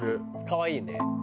かわいいね。